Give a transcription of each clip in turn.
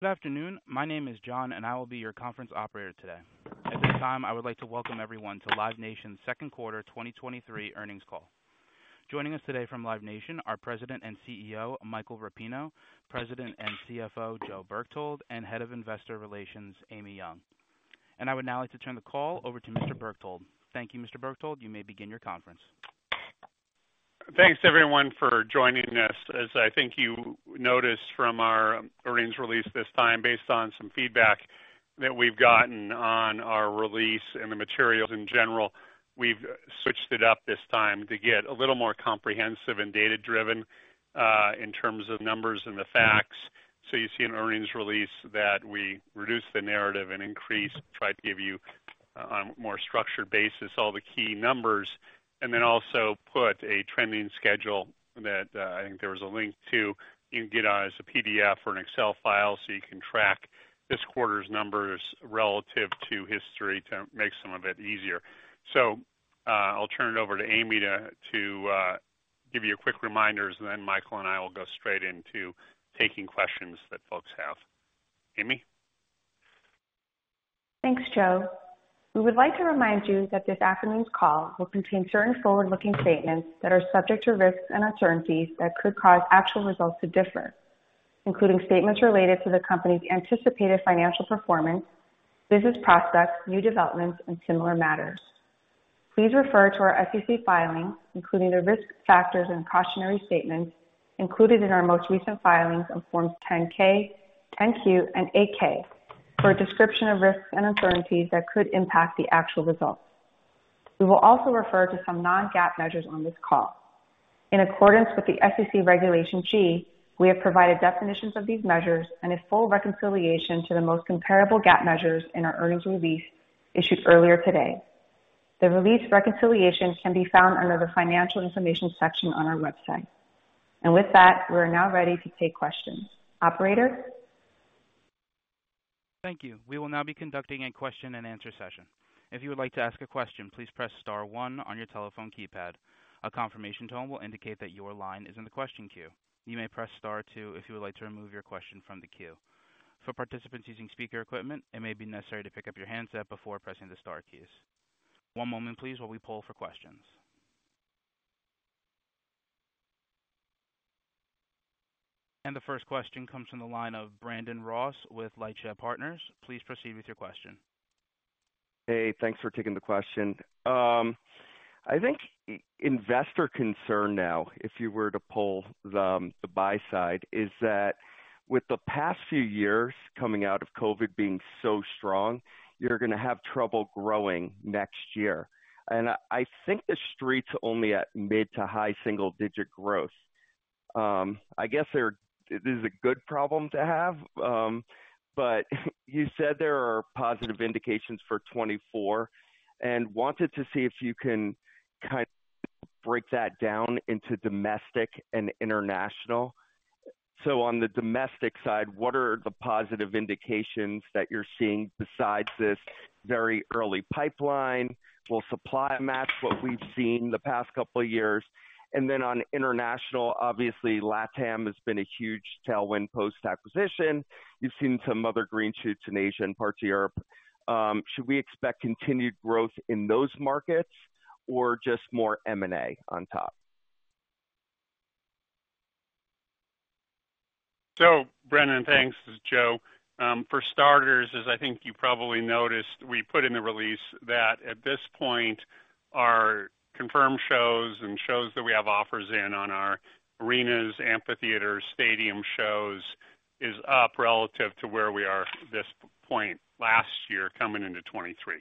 Good afternoon. My name is John, I will be your conference operator today. At this time, I would like to welcome everyone to Live Nation's Q2 2023 earnings call. Joining us today from Live Nation are the President and CEO, Michael Rapino; the President and CFO, Joe Berchtold; and the Head of Investor Relations, Amy Yong. I would now like to turn the call over to Mr. Berchtold. Thank you, Mr. Berchtold. You may begin your conference. Thanks, everyone, for joining us. As I think you noticed from our earnings release this time, based on some feedback that we've gotten on our release and the materials in general, we've switched it up this time to get a little more comprehensive and data-driven, in terms of numbers and facts. You'll see an earnings release that we reduced the narrative and increased, tried to give you on a more structured basis, all the key numbers, and then also put a trending schedule that, I think there was a link to it. You can get as a PDF or an Excel file, so you can track this quarter's numbers relative to history to make some of it easier. I'll turn it over to Amy to give you a quick reminder, and then Michael and I will go straight into taking questions that folks have. Amy? Thanks, Joe. We would like to remind you that this afternoon's call will contain certain forward-looking statements that are subject to risks and uncertainties that could cause actual results to differ, including statements related to the company's anticipated financial performance, business prospects, new developments, and similar matters. Please refer to our SEC filings, including the risk factors and cautionary statements included in our most recent filings on Forms 10-K, 10-Q, and 8-K, for a description of risks and uncertainties that could impact the actual results. We will also refer to some non-GAAP measures on this call. In accordance with the SEC Regulation G, we have provided definitions of these measures and a full reconciliation to the most comparable GAAP measures in our earnings release issued earlier today. The release reconciliation can be found under the Financial Information section on our website. With that, we are now ready to take questions. Operator? Thank you. We will now be conducting a question-and-answer session. If you would like to ask a question, please press star one on your telephone keypad. A confirmation tone will indicate that your line is in the question queue. You may press star two if you would like to remove your question from the queue. For participants using speaker equipment, it may be necessary to pick up your handset before pressing the star keys. One moment, please, while we poll for questions. The first question comes from the line of Brandon Ross with LightShed Partners. Please proceed with your question. Hey, thanks for taking the question. I think investor concern now, if you were to poll the buy side, is that with the past few years coming out of COVID being so strong, you're going to have trouble growing next year. I think the street's only at mid to high single-digit growth. I guess this is a good problem to have, but you said there are positive indications for 2024 and wanted to see if you can kind of break that down into domestic and international. On the domestic side, what are the positive indications that you're seeing besides this very early pipeline? Will supply match what we've seen the past couple of years? On international, obviously, LatAm has been a huge tailwind post-acquisition. You've seen some other green shoots in Asia and parts of Europe. Should we expect continued growth in those markets or just more M&A on top? Brandon, thanks. This is Joe. For starters, as I think you probably noticed, we put in the release that at this point, our confirmed shows and shows that we have offers in on our arenas, amphitheater, stadium shows is up relative to where we are at this point last year, coming into 2023.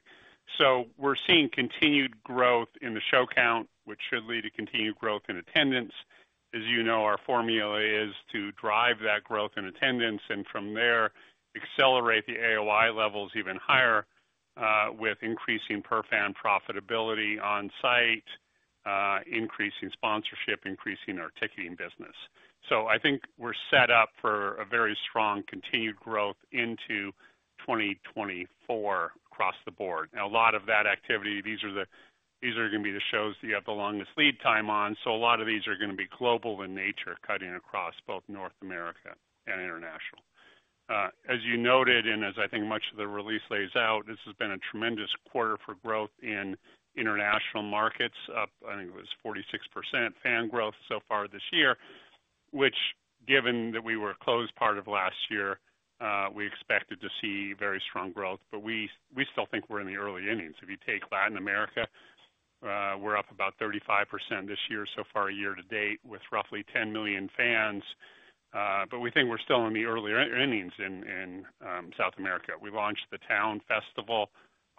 We're seeing continued growth in the show count, which should lead to continued growth in attendance. As you know, our formula is to drive that growth in attendance and from there, accelerate the AOI levels even higher, with increasing per fan profitability on site, increasing sponsorship, increasing our ticketing business. I think we're set up for a very strong continued growth into 2024 across the board. Now, a lot of that activity, these are these are going to be the shows you have the longest lead time on. A lot of these are going to be global in nature, cutting across both North America and international. As you noted, and as I think much of the release lays out, this has been a tremendous quarter for growth in international markets, up, I think it was 46% fan growth so far this year, which, given that we were closed part of last year, we expected to see very strong growth, but we still think we're in the early innings. If you take Latin America, we're up about 35% this year, so far, year-to-date, with roughly 10 million fans, but we think we're still in the early innings in, in South America. We launched The Town,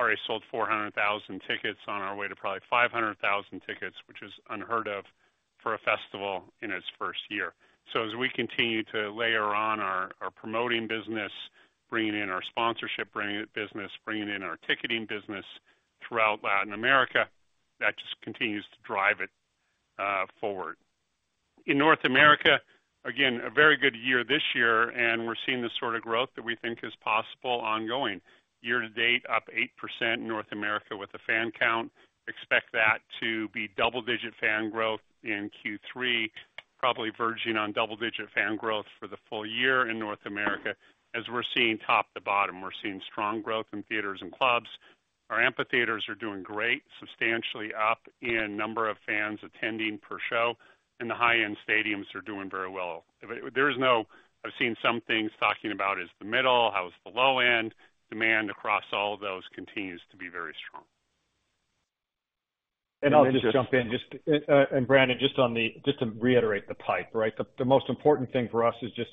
already sold 400,000 tickets on our way to probably 500,000 tickets, which is unheard of for a festival in its first year. As we continue to layer on our, our promoting business, bringing in our sponsorship, bringing business, bringing in our ticketing business throughout Latin America, that just continues to drive it forward. In North America, again, a very good year this year, and we're seeing the sort of growth that we think is possible ongoing. Year-to-date, up 8% North America with the fan count. Expect that to be double-digit fan growth in Q3, probably verging on double-digit fan growth for the full year in North America. As we're seeing top to bottom, we're seeing strong growth in theaters and clubs. Our amphitheaters are doing great, substantially up in number of fans attending per show, and the high-end stadiums are doing very well. There is no, I've seen some things talking about is the middle, how is the low end? Demand across all of those continues to be very strong. I'll just jump in just, and Brandon Ross, just to reiterate the pipe, right. The most important thing for us is just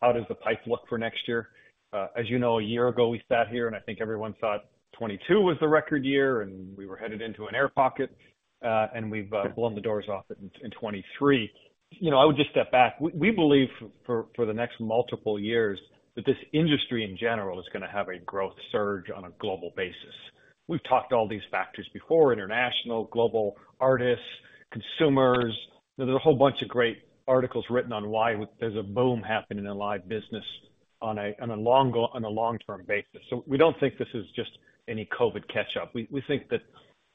how does the pipe look for next year? As you know, a year ago, we sat here, and I think everyone thought 2022 was the record year, and we were headed into an air pocket, and we've blown the doors off it in 2023. You know, I would just step back. We believe for the next multiple years that this industry, in general, is gonna have a growth surge on a global basis. We've talked to all these factors before, international, global artists, consumers. There's a whole bunch of great articles written on why there's a boom happening in the live business on a long-term basis. We don't think this is just any COVID catch-up. We think that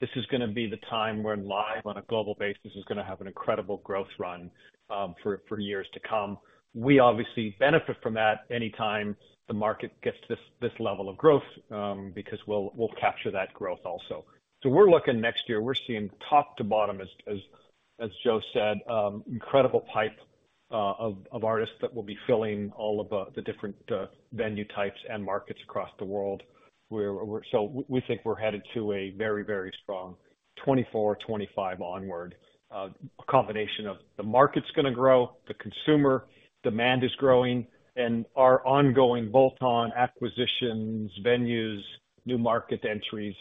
this is gonna be the time when live on a global basis is gonna have an incredible growth run for years to come. We obviously benefit from that anytime the market gets to this, this level of growth because we'll, we'll capture that growth also. We're looking next year, we're seeing top to bottom, as Joe said, incredible pipe of artists that will be filling all of the different venue types and markets across the world. We think we're headed to a very, very strong 2024, 2025 onward. A combination of the market's gonna grow, the consumer demand is growing, and our ongoing bolt-on acquisitions, venues, new market entries,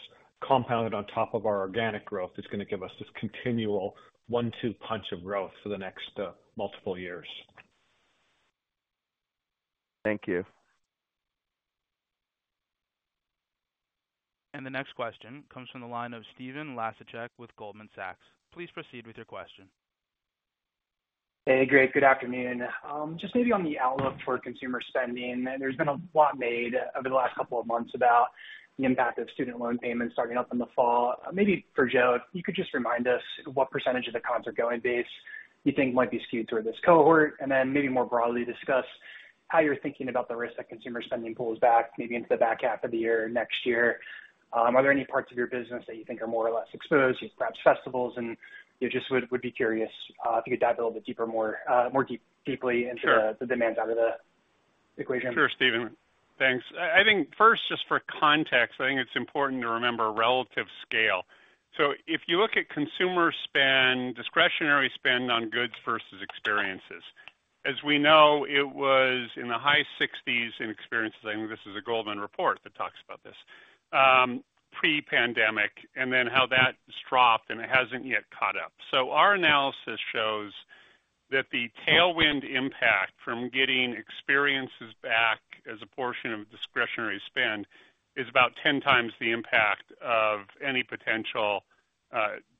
compounded on top of our organic growth, is gonna give us this continual one-two punch of growth for the next multiple years. Thank you. The next question comes from the line of Stephen Laszczyk with Goldman Sachs. Please proceed with your question. Hey, great. Good afternoon. Just maybe on the outlook for consumer spending, there's been a lot made over the last couple of months about the impact of student loan payments starting up in the fall. Maybe for Joe, if you could just remind us what percentage of the concert going base you think might be skewed toward this cohort, and then maybe more broadly, discuss how you're thinking about the risk that consumer spending pulls back, maybe into the back half of the year, next year? Are there any parts of your business that you think are more or less exposed, perhaps festivals? I just would, would be curious, if you could dive a little bit deeper, more deeply into the demand side of the equation. Sure, Stephen. Thanks. I think first, just for context, I think it's important to remember relative scale. If you look at consumer spend, discretionary spend on goods versus experiences, as we know, it was in the high 60s in experiences, I think this is a Goldman report that talks about this pre-pandemic, and then how that has dropped and it hasn't yet caught up. Our analysis shows that the tailwind impact from getting experiences back as a portion of discretionary spend is about 10x the impact of any potential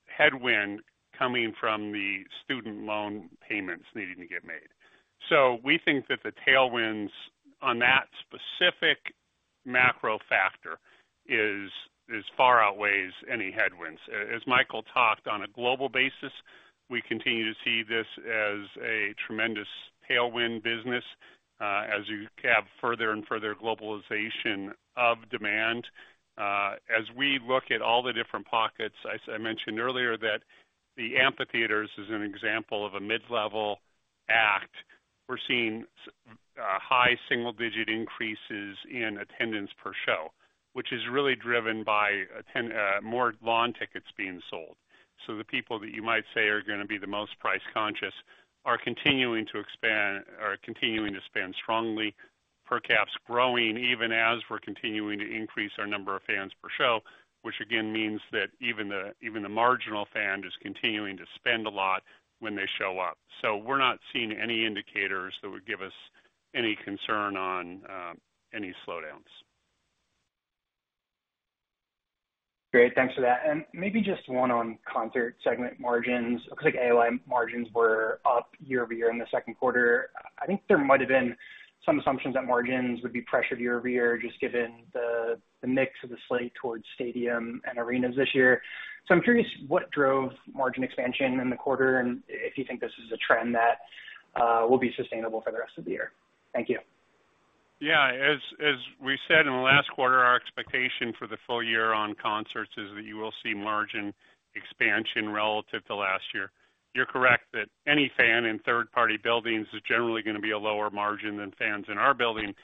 headwind coming from the student loan payments needing to get made. We think that the tailwinds on that specific macro factor is, is far outweighs any headwinds. As Michael talked, on a global basis, we continue to see this as a tremendous tailwind business, as you have further and further globalization of demand. As we look at all the different pockets, I mentioned earlier that the amphitheaters is an example of a mid-level act. We're seeing, high single-digit increases in attendance per show, which is really driven by more lawn tickets being sold. The people that you might say are gonna be the most price conscious are continuing to expand, are continuing to spend strongly, per caps growing, even as we're continuing to increase our number of fans per show, which again, means that even the marginal fan is continuing to spend a lot when they show up. We're not seeing any indicators that would give us any concern on any slowdowns. Great. Thanks for that. Maybe just one on concert segment margins, because, like, AOI margins were up year-over-year in the Q2. I think there might have been some assumptions that margins would be pressured year-over-year, just given the mix of the slate towards stadium and arenas this year. I'm curious what drove margin expansion in the quarter, and if you think this is a trend that will be sustainable for the rest of the year. Thank you. Yeah. As we said in the last quarter, our expectation for the full year on concerts is that you will see margin expansion relative to last year. You're correct that any fan in third-party buildings is generally gonna be a lower margin than fans in our building.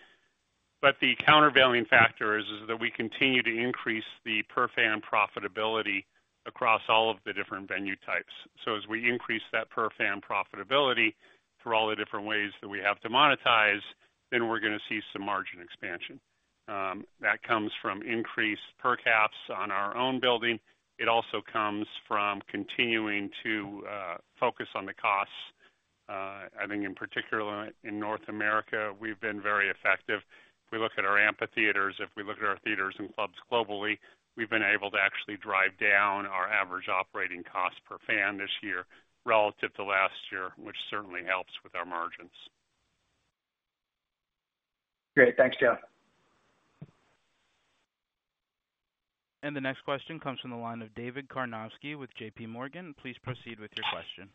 The countervailing factor is, is that we continue to increase the per fan profitability across all of the different venue types. As we increase that per fan profitability through all the different ways that we have to monetize, then we're gonna see some margin expansion. That comes from increased per caps on our own building. It also comes from continuing to focus on the costs. I think in particular, in North America, we've been very effective. If we look at our amphitheaters, if we look at our theaters and clubs globally, we've been able to actually drive down our average operating cost per fan this year relative to last year, which certainly helps with our margins. Great. Thanks, Joe. The next question comes from the line of David Karnovsky with JPMorgan. Please proceed with your question.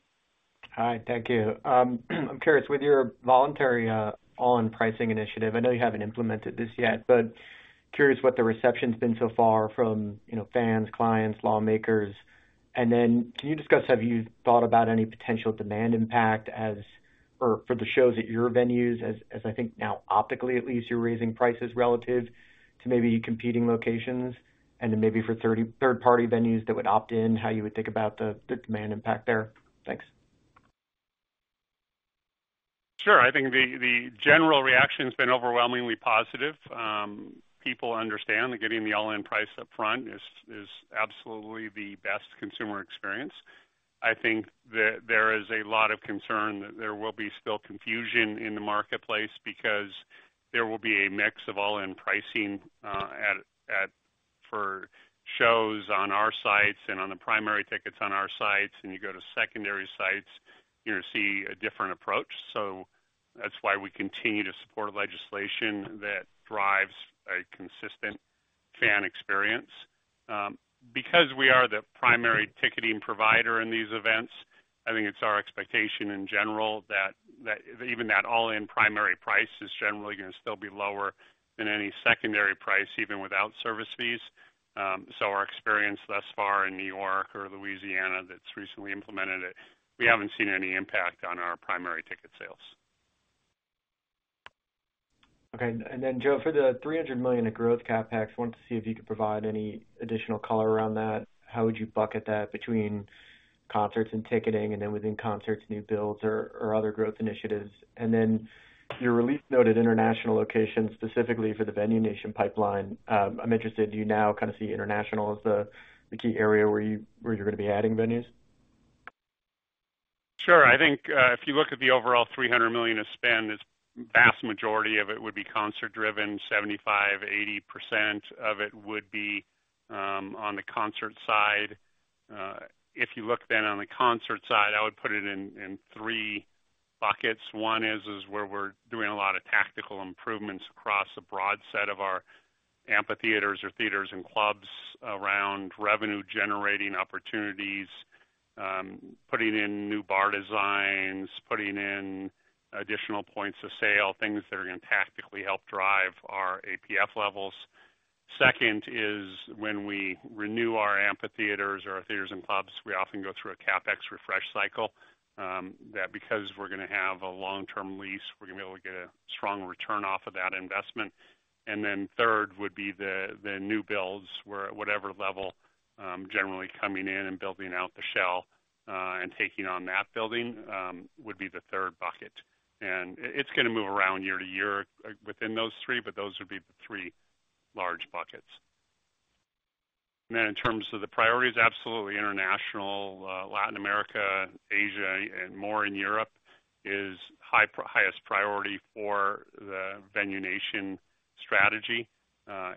Hi, thank you. I'm curious, with your voluntary, all-in pricing initiative, I know you haven't implemented this yet, but curious what the reception's been so far from, you know, fans, clients, lawmakers? Then can you discuss, have you thought about any potential demand impact for the shows at your venues, as I think now, optically, at least, you're raising prices relative to maybe competing locations, and then maybe for third-party venues that would opt in, how you would think about the demand impact there? Thanks. Sure. I think the general reaction's been overwhelmingly positive. People understand that getting the all-in price up front is, is absolutely the best consumer experience. I think that there is a lot of concern that there will be still confusion in the marketplace because there will be a mix of all-in pricing for shows on our sites and on the primary tickets on our sites, and you go to secondary sites, you're going to see a different approach. That's why we continue to support legislation that drives a consistent fan experience. Because we are the primary ticketing provider in these events, I think it's our expectation in general that all-in primary price is generally gonna still be lower than any secondary price, even without service fees. Our experience thus far in New York or Louisiana, that's recently implemented it, we haven't seen any impact on our primary ticket sales. Okay. Joe, for the $300 million of growth CapEx, wanted to see if you could provide any additional color around that. How would you bucket that between concerts and ticketing, and then within concerts, new builds or other growth initiatives? Your release noted international locations, specifically for the Venue Nation pipeline. I'm interested, do you now kind of see international as the key area where you're gonna be adding venues? Sure. I think, if you look at the overall $300 million of spend, the vast majority of it would be concert-driven. 75%-80% of it would be on the concert side. If you look then on the concert side, I would put it in 3 buckets. One is, is where we're doing a lot of tactical improvements across a broad set of our amphitheaters or theaters and clubs around revenue-generating opportunities, putting in new bar designs, putting in additional points of sale, things that are going to tactically help drive our APF levels. Second is when we renew our amphitheaters or our theaters and clubs, we often go through a CapEx refresh cycle, that because we're gonna have a long-term lease, we're gonna be able to get a strong return off of that investment. Then third would be the new builds, where at whatever level, generally coming in and building out the shell and taking on that building would be the third bucket. It's gonna move around year-to-year within those three, but those would be the three large buckets. In terms of the priorities, absolutely international, Latin America, Asia, and more in Europe is highest priority for the Venue Nation strategy.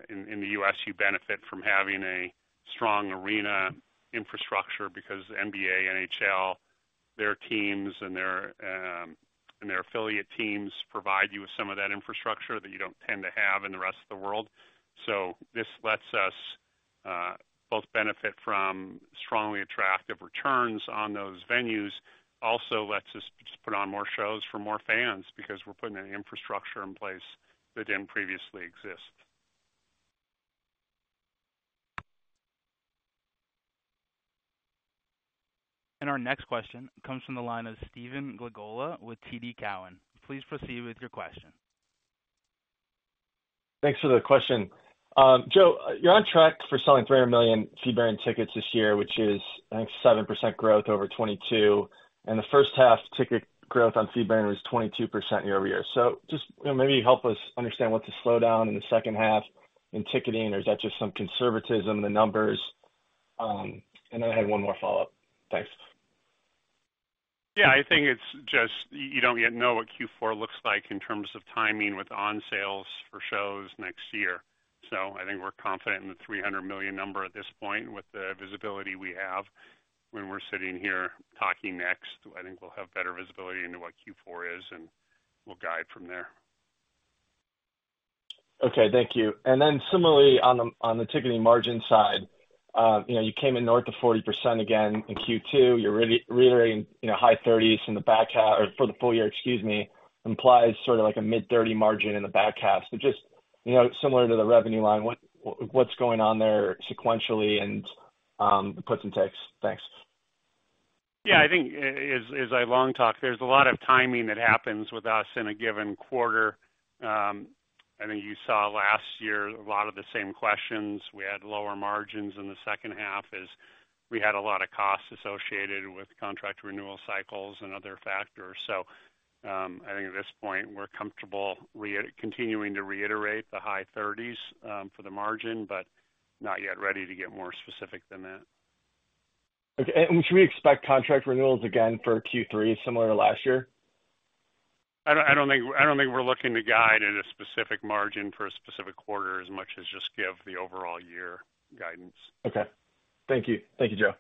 In, in the U.S., you benefit from having a strong arena infrastructure because NBA, NHL, their teams and their and their affiliate teams provide you with some of that infrastructure that you don't tend to have in the rest of the world. This lets us both benefit from strongly attractive returns on those venues, also lets us just put on more shows for more fans because we're putting an infrastructure in place that didn't previously exist. Our next question comes from the line of Stephen Glagola with TD Cowen. Please proceed with your question. Thanks for the question. Joe, you're on track for selling 300 million fee-bearing tickets this year, which is, I think, 7% growth over 2022. The first half ticket growth on fee-bearing was 22% year-over-year. Just, you know, maybe help us understand what's the slowdown in the second half in ticketing, or is that just some conservatism in the numbers? Then I had 1 more follow-up. Thanks. I think it's just you don't yet know what Q4 looks like in terms of timing with on sales for shows next year. I think we're confident in the $300 million number at this point with the visibility we have. When we're sitting here talking next, I think we'll have better visibility into what Q4 is, and we'll guide from there. Okay, thank you. Similarly, on the, on the ticketing margin side, you know, you came in north of 40% again in Q2. You're reiterating, you know, high 30s from the back half or for the full year, excuse me, implies sort of like a mid-30 margin in the back half. Just, you know, similar to the revenue line, what, what's going on there sequentially and, the puts and takes? Thanks. Yeah, I think as I long talk, there's a lot of timing that happens with us in a given quarter. I think you saw last year a lot of the same questions. We had lower margins in the second half, as we had a lot of costs associated with contract renewal cycles and other factors. I think at this point, we're comfortable continuing to reiterate the high 30s for the margin, but not yet ready to get more specific than that. Okay, should we expect contract renewals again for Q3, similar to last year? I don't think we're looking to guide at a specific margin for a specific quarter as much as just give the overall year guidance. Okay. Thank you. Thank you, Joe.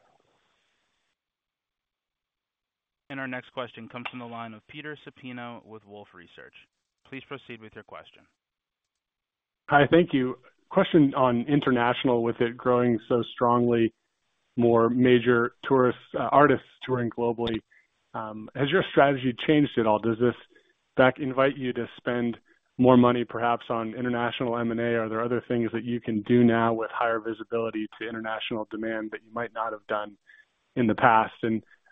Our next question comes from the line of Peter Supino with Wolfe Research. Please proceed with your question. Hi, thank you. Question on international, with it growing so strongly, more major tourists, artists touring globally, has your strategy changed at all? Does this, in fact, invite you to spend more money, perhaps, on international M&A? Are there other things that you can do now with higher visibility to international demand that you might not have done in the past?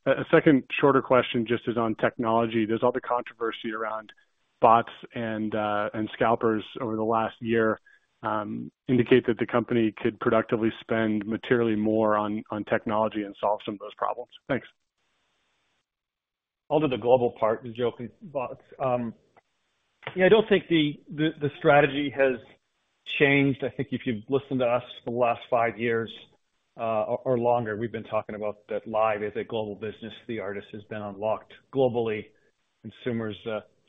A second shorter question, just is on technology. There's all the controversy around bots and scalpers over the last year, indicate that the company could productively spend materially more on technology and solve some of those problems. Thanks. I'll do the global part, Joe and bots. Yeah, I don't think the strategy has changed. I think if you've listened to us for the last 5 years, or, or longer, we've been talking about that Live is a global business. The artist has been unlocked globally. Consumers,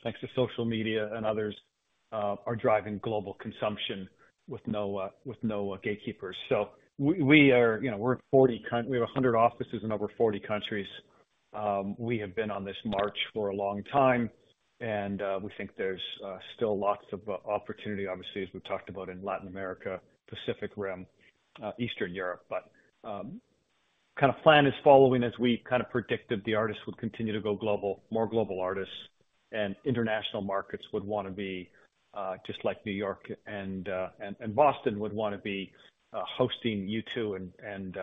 thanks to social media and others, are driving global consumption with no, with no gatekeepers. We are, you know, we have 100 offices in over 40 countries. We have been on this march for a long time, and we think there's still lots of opportunity, obviously, as we've talked about in Latin America, Pacific Rim, Eastern Europe. Kind of plan is following as we kind of predicted, the artists would continue to go global, more global artists and international markets would want to be just like New York and, and Boston would want to be hosting U2 and,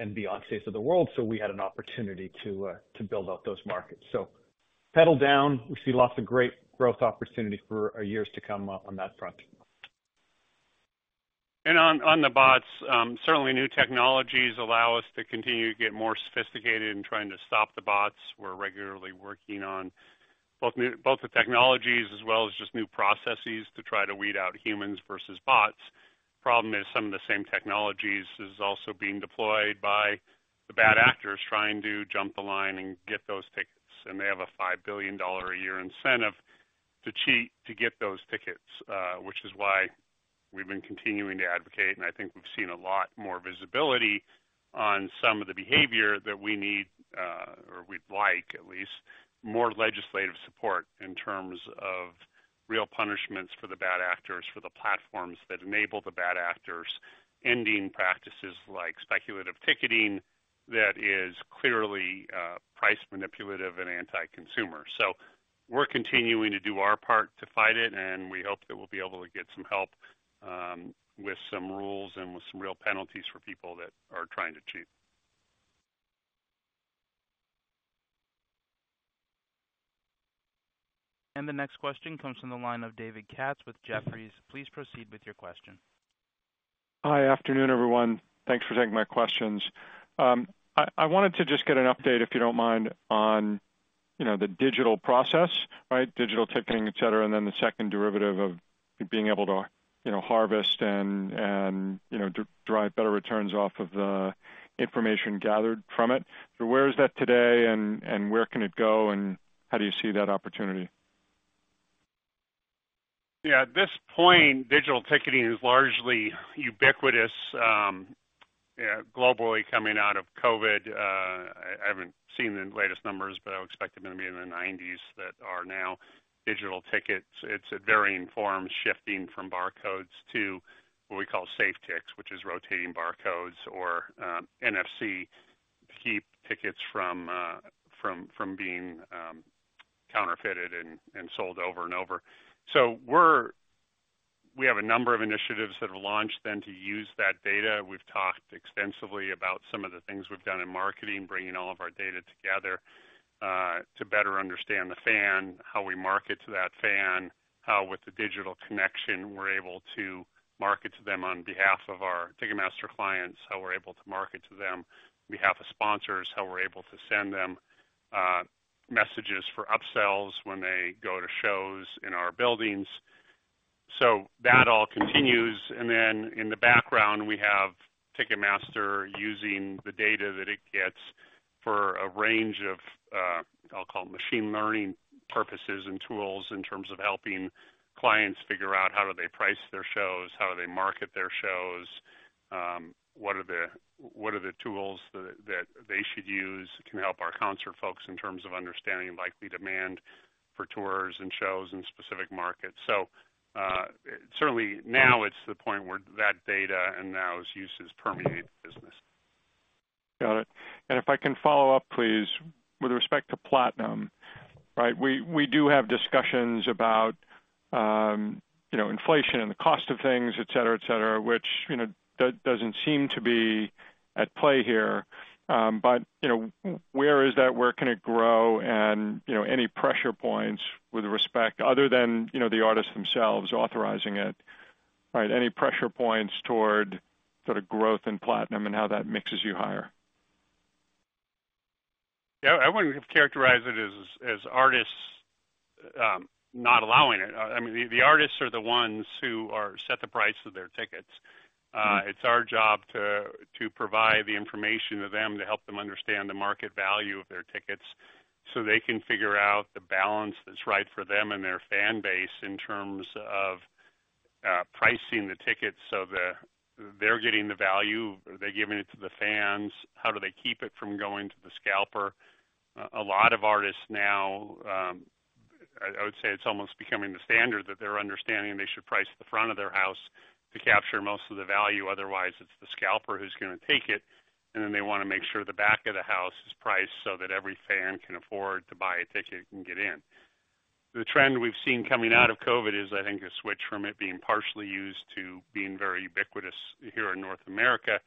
and Beyonces of the world. We had an opportunity to build out those markets. Pedal down, we see lots of great growth opportunities for years to come on that front. On, on the bots, certainly new technologies allow us to continue to get more sophisticated in trying to stop the bots. We're regularly working on both the technologies as well as just new processes to try to weed out humans versus bots. Problem is, some of the same technologies is also being deployed by the bad actors trying to jump the line and get those tickets, and they have a $5 billion a year incentive to cheat to get those tickets, which is why we've been continuing to advocate. I think we've seen a lot more visibility on some of the behavior that we need, or we'd like at least, more legislative support in terms of real punishments for the bad actors, for the platforms that enable the bad actors, ending practices like speculative ticketing that is clearly, price manipulative and anti-consumer. We're continuing to do our part to fight it, and we hope that we'll be able to get some help, with some rules and with some real penalties for people that are trying to cheat. The next question comes from the line of David Katz with Jefferies. Please proceed with your question. Hi. Afternoon, everyone. Thanks for taking my questions. I wanted to just get an update, if you don't mind, on, you know, the digital process, right, digital ticketing, et cetera, and then the second derivative of being able to, you know, harvest and, you know, drive better returns off of the information gathered from it. Where is that today, and where can it go, and how do you see that opportunity? Yeah, at this point, digital ticketing is largely ubiquitous, globally, coming out of COVID. I haven't seen the latest numbers, but I would expect them to be in the 90s that are now digital tickets. It's at varying forms, shifting from barcodes to what we call SafeTix, which is rotating barcodes or NFC to keep tickets from being counterfeited and sold over and over. We have a number of initiatives that have launched then to use that data. We've talked extensively about some of the things we've done in marketing, bringing all of our data together, to better understand the fan, how we market to that fan, how with the digital connection, we're able to market to them on behalf of our Ticketmaster clients, how we're able to market to them on behalf of sponsors, how we're able to send them, messages for upsells when they go to shows in our buildings. That all continues. Then in the background, we have Ticketmaster using the data that it gets for a range of, I'll call it machine learning purposes and tools, in terms of helping clients figure out how do they price their shows, how do they market their shows, what are the, what are the tools that, that they should use can help our concert folks in terms of understanding likely demand for tours and shows in specific markets. So, certainly now it's the point where that data and now its use is permeating the business. Got it. If I can follow up, please, with respect to Platinum, right? We do have discussions about, you know, inflation and the cost of things, et cetera, et cetera, which, you know, doesn't seem to be at play here. You know, where is that? Where can it grow? You know, any pressure points with respect, other than, you know, the artists themselves authorizing it, right? Any pressure points toward sort of growth in Platinum and how that mixes you higher? Yeah, I wouldn't characterize it as artists, not allowing it. I mean, the, the artists are the ones who are, set the price of their tickets. It's our job to, to provide the information to them, to help them understand the market value of their tickets, so they can figure out the balance that's right for them and their fan base in terms of, pricing the tickets so that they're getting the value, they're giving it to the fans, how do they keep it from going to the scalper? A lot of artists now, I would say it's almost becoming the standard that they're understanding they should price the front of their house to capture most of the value. Otherwise, it's the scalper who's going to take it, and then they want to make sure the back of the house is priced so that every fan can afford to buy a ticket and get in. The trend we've seen coming out of COVID is, I think, a switch from it being partially used to being very ubiquitous here in North America,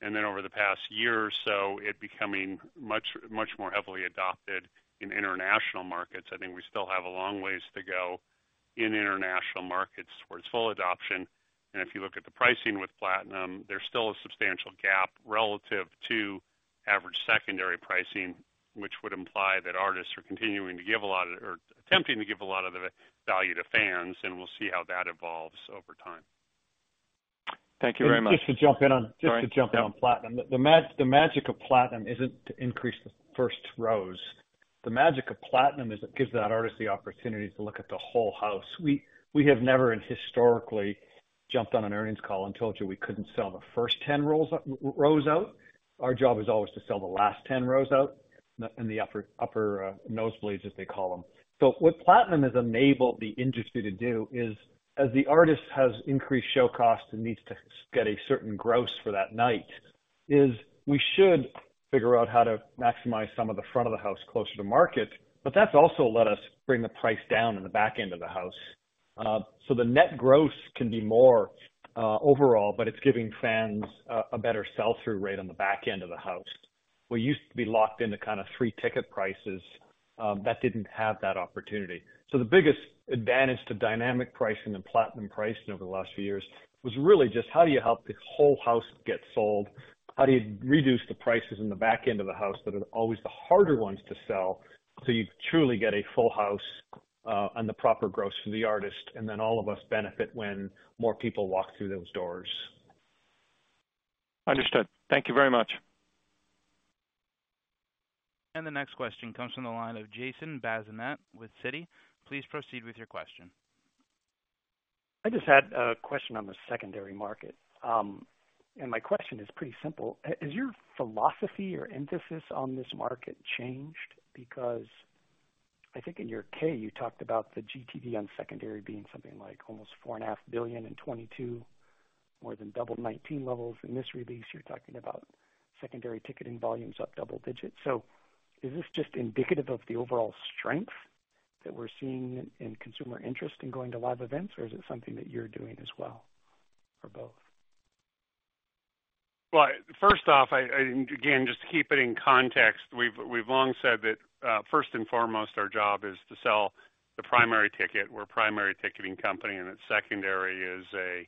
and then over the past year or so, it becoming much, much more heavily adopted in international markets. I think we still have a long ways to go in international markets towards full adoption. If you look at the pricing with Platinum, there's still a substantial gap relative to average secondary pricing, which would imply that artists are continuing to give a lot of or attempting to give a lot of the value to fans, and we'll see how that evolves over time. Thank you very much. Just to jump in on- Sorry. Just to jump in on Platinum. The magic of Platinum isn't to increase the first rows. The magic of Platinum is it gives that artist the opportunity to look at the whole house. We have never historically jumped on an earnings call and told you we couldn't sell the first 10 rows out. Our job is always to sell the last 10 rows out in the upper, upper, nosebleeds, as they call them. What Platinum has enabled the industry to do is, as the artist has increased show costs and needs to get a certain gross for that night, is we should figure out how to maximize some of the front of the house closer to market. That's also let us bring the price down in the back end of the house. The net gross can be more overall, but it's giving fans a better sell-through rate on the back end of the house. We used to be locked into kind of three ticket prices that didn't have that opportunity. The biggest advantage to dynamic pricing and Platinum pricing over the last few years was really just how do you help the whole house get sold? How do you reduce the prices in the back end of the house that are always the harder ones to sell, so you truly get a full house and the proper gross for the artist, and then all of us benefit when more people walk through those doors. Understood. Thank you very much. The next question comes from the line of Jason Bazinet with Citigroup. Please proceed with your question. I just had a question on the secondary market. My question is pretty simple. Has your philosophy or emphasis on this market changed? Because I think in your 10-K, you talked about the GTV on secondary being something like almost $4.5 billion in 2022, more than double 2019 levels. In this release, you're talking about secondary ticketing volumes up double-digit. Is this just indicative of the overall strength that we're seeing in consumer interest in going to live events, or is it something that you're doing as well, or both? First off, I, again, just to keep it in context, we've, we've long said that, first and foremost, our job is to sell the primary ticket. We're a primary ticketing company, and that secondary is a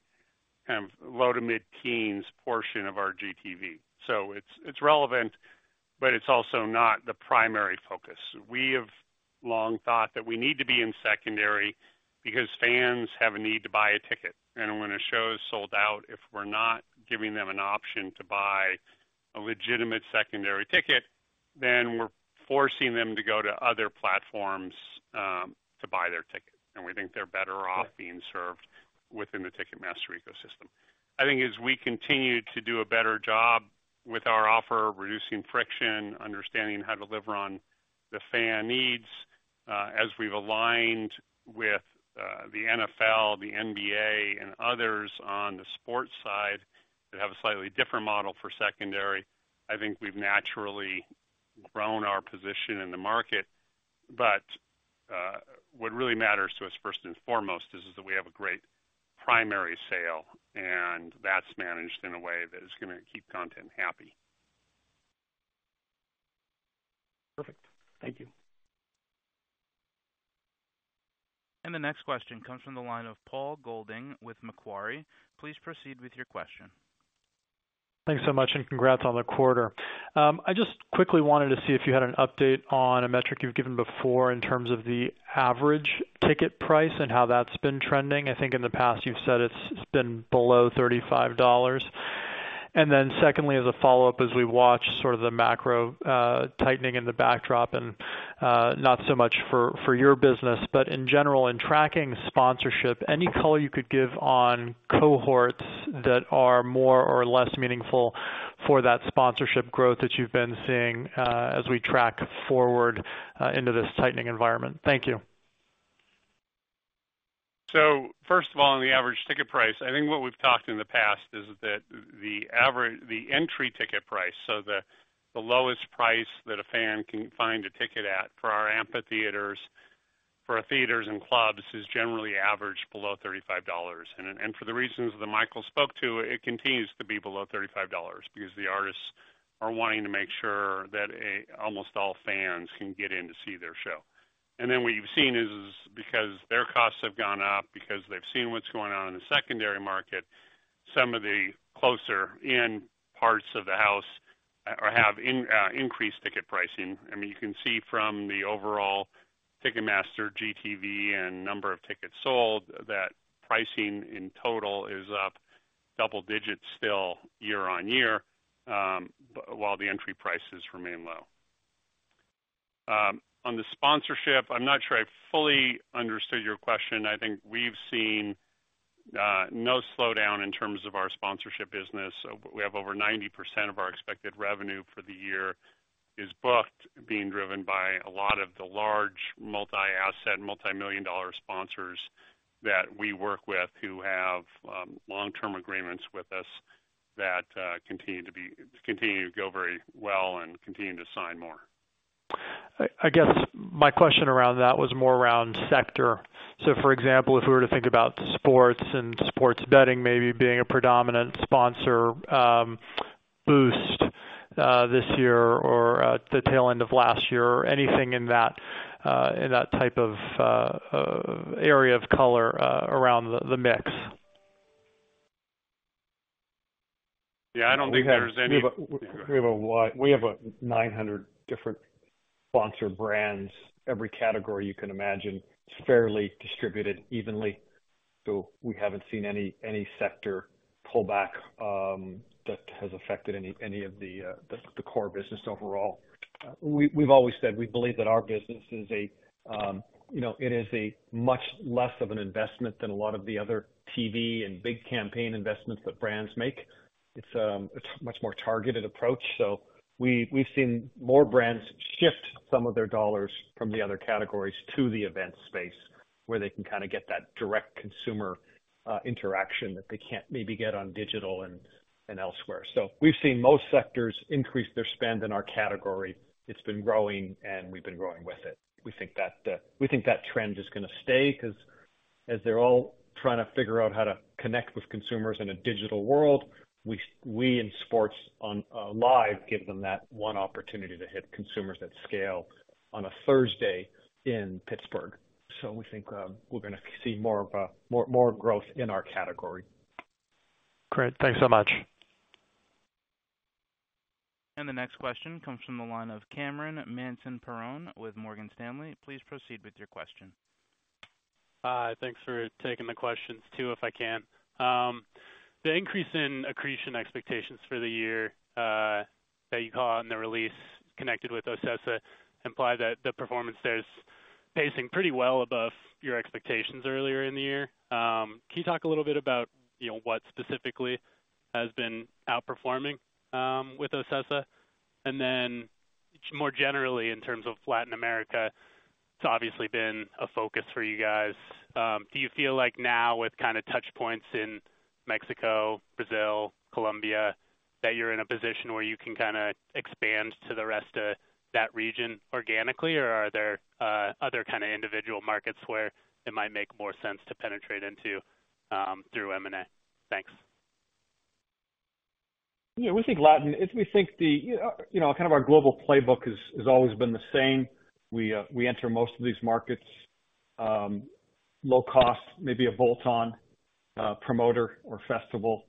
kind of low to mid-teens portion of our GTV. It's, it's relevant, but it's also not the primary focus. We have long thought that we need to be in secondary because fans have a need to buy a ticket, and when a show is sold out, if we're not giving them an option to buy a legitimate secondary ticket, then we're forcing them to go to other platforms, to buy their ticket, and we think they're better off being served within the Ticketmaster ecosystem. I think as we continue to do a better job with our offer, reducing friction, understanding how to deliver on the fan needs, as we've aligned with the NFL, the NBA, and others on the sports side, that have a slightly different model for secondary, I think we've naturally grown our position in the market. What really matters to us, first and foremost, is that we have a great primary sale, and that's managed in a way that is gonna keep content happy. Perfect. Thank you. The next question comes from the line of Paul Golding with Macquarie. Please proceed with your question. Thanks so much. Congrats on the quarter. I just quickly wanted to see if you had an update on a metric you've given before in terms of the average ticket price and how that's been trending. I think in the past, you've said it's, it's been below $35. Secondly, as a follow-up, as we watch sort of the macro tightening in the backdrop and not so much for, for your business, but in general, in tracking sponsorship, any color you could give on cohorts that are more or less meaningful for that sponsorship growth that you've been seeing as we track forward into this tightening environment? Thank you. First of all, on the average ticket price, I think what we've talked in the past is that the average the entry ticket price, so the lowest price that a fan can find a ticket at for our amphitheaters, for our theaters and clubs, is generally averaged below $35. For the reasons that Michael spoke to, it continues to be below $35 because the artists are wanting to make sure that almost all fans can get in to see their show. What you've seen is because their costs have gone up, because they've seen what's going on in the secondary market, some of the closer in parts of the house have increased ticket pricing. I mean, you can see from the overall Ticketmaster GTV and number of tickets sold, that pricing in total is up double-digit still year-on-year, while the entry prices remain low. On the sponsorship, I'm not sure I fully understood your question. I think we've seen no slowdown in terms of our sponsorship business. We have over 90% of our expected revenue for the year is booked, being driven by a lot of the large multi-asset, multimillion-dollar sponsors that we work with, who have long-term agreements with us that continue to go very well and continue to sign more. I guess my question around that was more around sector. For example, if we were to think about sports and sports betting, maybe being a predominant sponsor, boost this year or the tail end of last year, or anything in that in that type of area of color around the mix. Yeah, I don't think there's We have a, we have a wide- we have 900 different sponsor brands. Every category you can imagine, it's fairly distributed evenly. We haven't seen any, any sector pullback, that has affected any, any of the, the core business overall. We've, we've always said we believe that our business is a, you know, it is a much less of an investment than a lot of the other TV and big campaign investments that brands make. It's, it's a much more targeted approach. We've seen more brands shift some of their dollars from the other categories to the event space, where they can kinda get that direct consumer, interaction that they can't maybe get on digital and, and elsewhere. We've seen most sectors increase their spend in our category. It's been growing, and we've been growing with it. We think that, we think that trend is gonna stay, 'cause as they're all trying to figure out how to connect with consumers in a digital world, we we, in sports on, live, give them that one opportunity to hit consumers at scale on a Thursday in Pittsburgh. We think, we're gonna see more of, more, more growth in our category. Great. Thanks so much. The next question comes from the line of Cameron Mansson-Perrone with Morgan Stanley. Please proceed with your question. Thanks for taking the questions, too, if I can. The increase in accretion expectations for the year, that you call on the release connected with OCESA, imply that the performance there is pacing pretty well above your expectations earlier in the year. Can you talk a little bit about, you know, what specifically has been outperforming with OCESA? Then more generally, in terms of Latin America, it's obviously been a focus for you guys. Do you feel like now with kind of touch points in Mexico, Brazil, Colombia, that you're in a position where you can kinda expand to the rest of that region organically, or are there other kind of individual markets where it might make more sense to penetrate into through M&A? Thanks. Yeah, we think Latin-- as we think the, you know, kind of our global playbook has, has always been the same. We enter most of these markets, low cost, maybe a bolt-on, promoter or festival.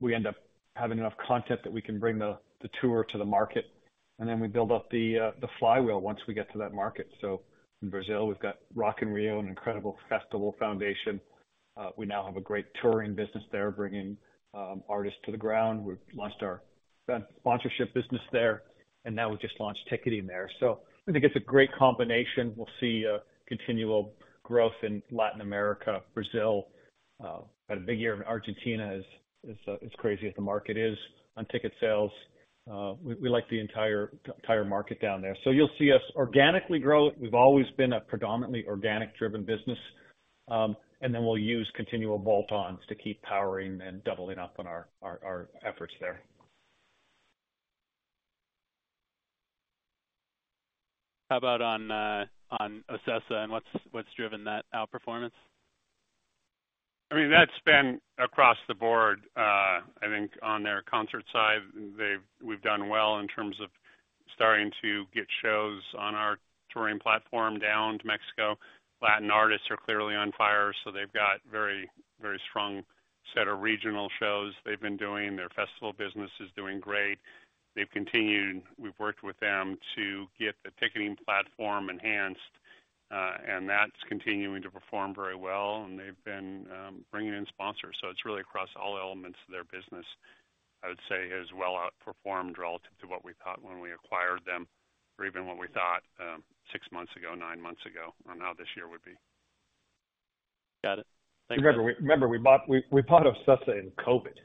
We end up having enough content that we can bring the, the tour to the market, and then we build up the, the flywheel once we get to that market. In Brazil, we've got Rock in Rio, an incredible festival foundation. We now have a great touring business there, bringing, artists to the ground. We've launched our sponsorship business there, and now we've just launched ticketing there. I think it's a great combination. We'll see, continual growth in Latin America, Brazil. Had a big year in Argentina, as crazy as the market is on ticket sales. We like the entire market down there. You'll see us organically grow. We've always been a predominantly organic-driven business. We'll use continual bolt-ons to keep powering and doubling up on our, our, our efforts there. How about on, on OCESA and what's, what's driven that outperformance? I mean, that's been across the board. I think on their concert side, we've done well in terms of starting to get shows on our touring platform down to Mexico. Latin artists are clearly on fire, so they've got very, very strong set of regional shows they've been doing. Their festival business is doing great. They've continued. We've worked with them to get the ticketing platform enhanced, and that's continuing to perform very well. They've been bringing in sponsors. It's really across all elements of their business. I would say, has well outperformed relative to what we thought when we acquired them, or even what we thought, six months ago, nine months ago, on how this year would be. Got it. Thank you. Remember, remember, we bought, we bought OCESA in COVID,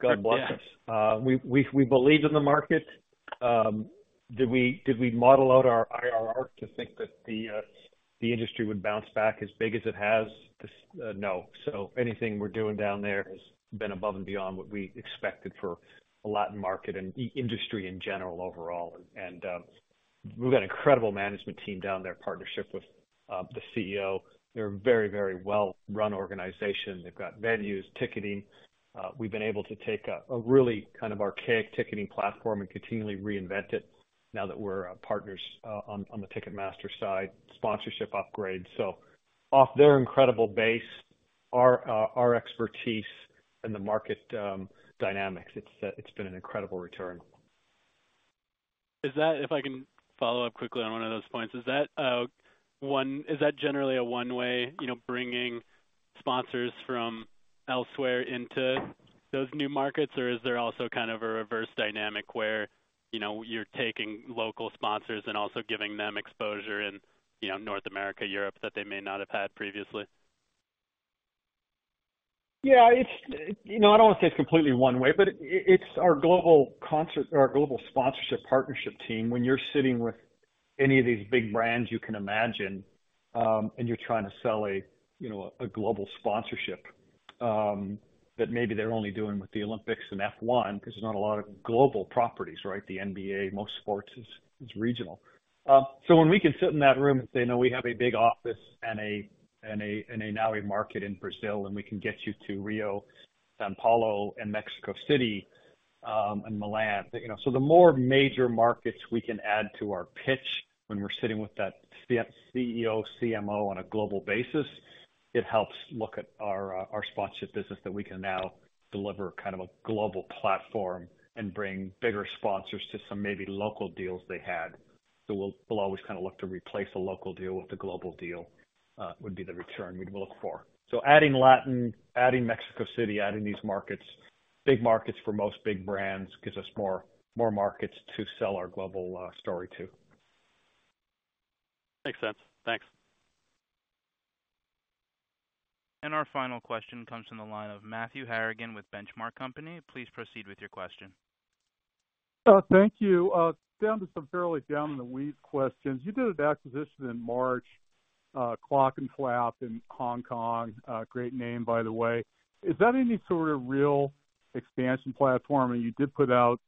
God blessed us. Yeah. We believed in the market. Did we, did we model out our IRR to think that the industry would bounce back as big as it has? No. Anything we're doing down there has been above and beyond what we expected for a Latin market and industry in general overall. We've got an incredible management team down there, partnership with the CEO. They're a very, very well-run organization. They've got venues, ticketing. We've been able to take a really kind of archaic ticketing platform and continually reinvent it now that we're partners on the Ticketmaster side, sponsorship upgrades. Off their incredible base, our expertise and the market dynamics, it's been an incredible return. Is that, if I can follow up quickly on one of those points, is that generally a one-way, you know, bringing sponsors from elsewhere into those new markets, or is there also kind of a reverse dynamic where, you know, you're taking local sponsors and also giving them exposure in, you know, North America, Europe, that they may not have had previously? Yeah, it's, you know, I don't want to say it's completely one way, but it's our global concert or our global sponsorship partnership team. When you're sitting with any of these big brands you can imagine, and you're trying to sell a, you know, a global sponsorship, that maybe they're only doing with the Olympics and F1 because there's not a lot of global properties, right? The NBA, most sports is, is regional. When we can sit in that room and say, "Now we have a big office and a, and a, and a now a market in Brazil, and we can get you to Rio, São Paulo, and Mexico City, and Milan." You know, the more major markets we can add to our pitch when we're sitting with that CE-CEO, CMO on a global basis, it helps look at our sponsorship business, that we can now deliver kind of a global platform and bring bigger sponsors to some maybe local deals they had. We'll, we'll always kind of look to replace a local deal with a global deal, would be the return we'd look for. Adding Latin, adding Mexico City, adding these markets, big markets for most big brands, gives us more, more markets to sell our global story to. Makes sense. Thanks. Our final question comes from the line of Matthew Harrigan with The Benchmark Company. Please proceed with your question. Thank you. Down to some fairly down in the weeds questions. You did an acquisition in March, Clockenflap in Hong Kong. Great name, by the way. Is that any sort of real expansion platform? You did put out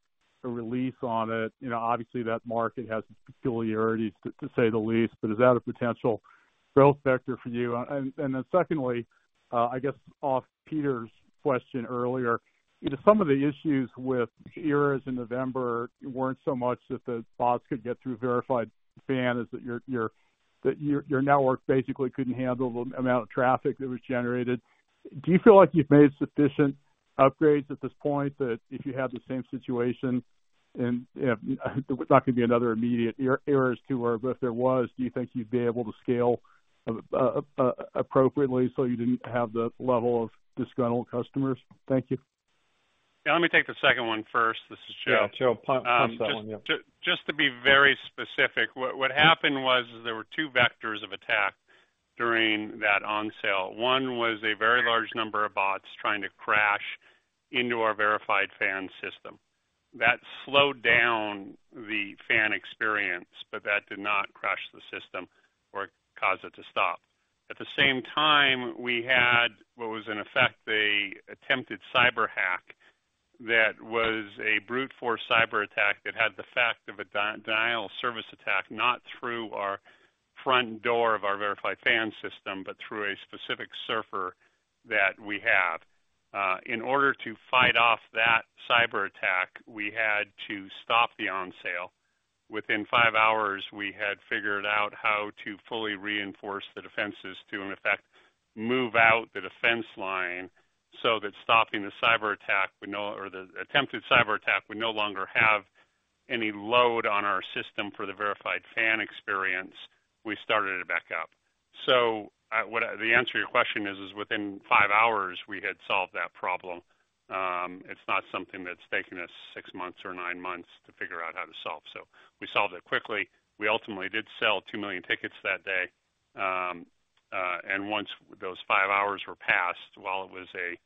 a release on it. You know, obviously, that market has peculiarities, to say the least, but is that a potential growth vector for you? Secondly, I guess off Peter's question earlier, you know, some of the issues with Eras in November weren't so much that the bots could get through Verified Fan, is that your network basically couldn't handle the amount of traffic that was generated. Do you feel like you've made sufficient upgrades at this point, that if you had the same situation and there was not going to be another immediate Eras to where, but if there was, do you think you'd be able to scale appropriately so you didn't have the level of disgruntled customers? Thank you. Yeah, let me take the second one first. This is Joe. Yeah, Joe, punch that one, yeah. just to be very specific, what, what happened was, is there were two vectors of attack during that on-sale. One was a very large number of bots trying to crash into our Verified Fan system. That slowed down the fan experience, but that did not crash the system or cause it to stop. At the same time, we had what was in effect, a attempted cyberattack that was a brute force cyberattack that had the effect of a denial of service attack, not through our front door of our Verified Fan system, but through a specific server that we have. in order to fight off that cyberattack, we had to stop the on sale. Within five hours, we had figured out how to fully reinforce the defenses to, in effect, move out the defense line so that, by stopping the cyberattack or the attempted cyberattack, we no longer had any load on our system for the Verified Fan experience. We started it back up. what, the answer to your question is, is within 5 hours, we had solved that problem. It's not something that's taken us six months or nine months to figure out how to solve. We solved it quickly. We ultimately did sell 2 million tickets that day. and once those five hours were passed, while it was a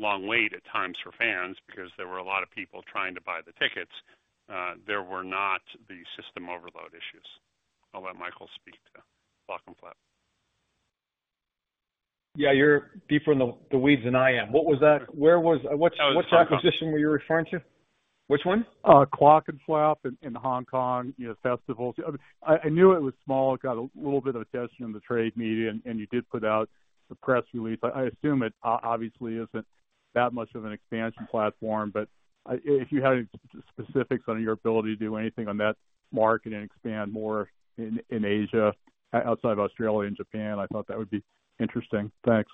long wait at times for fans, because there were a lot of people trying to buy the tickets, there were not the system overload issues. I'll let Michael speak to Clockenflap. Yeah, you're deeper in the, the weeds than I am. What was that? Where was, what- Oh, sorry about that. What acquisition were you referring to? Which one? Clockenflap in Hong Kong, you know, festivals. I knew it was small. It got a little bit of attention in the trade media, and, and you did put out the press release. I assume it obviously isn't that much of an expansion platform, but if you had any specifics on your ability to do anything on that market and expand more in Asia, outside of Australia and Japan, I thought that would be interesting. Thanks.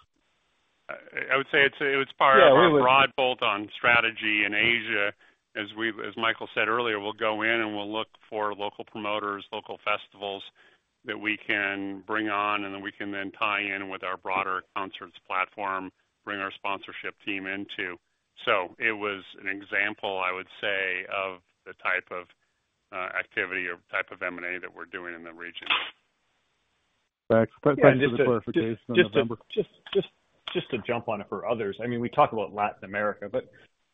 I would say it's, it's part of our broad bolt-on strategy in Asia. As we've, as Michael said earlier, we'll go in and we'll look for local promoters, local festivals that we can bring on, and then we can then tie in with our broader concerts platform, bring our sponsorship team into. It was an example, I would say, of the type of activity or type of M&A that we're doing in the region. Thanks. Thank you for the clarification. Just, just, just, just to jump on it for others. I mean, we talk about Latin America, but,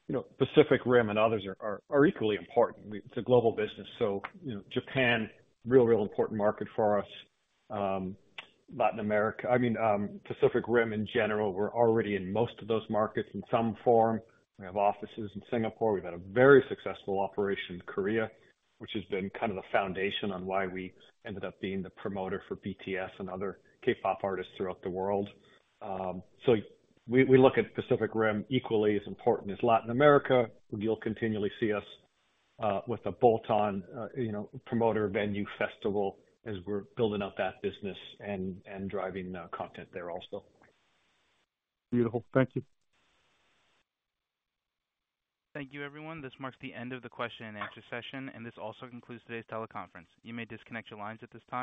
you know, Pacific Rim and others are, are, are equally important. It's a global business, so, you know, Japan, real, real important market for us. Latin America, I mean, Pacific Rim in general, we're already in most of those markets in some form. We have offices in Singapore. We've had a very successful operation in Korea, which has been kind of the foundation on why we ended up being the promoter for BTS and other K-pop artists throughout the world. We look at Pacific Rim equally as important as Latin America. You'll continually see us, with a bolt on, you know, promoter, venue, festival, as we're building out that business and, and driving, content there also. Beautiful. Thank you. Thank you, everyone. This marks the end of the question and answer session, and this also concludes today's teleconference. You may disconnect your lines at this time.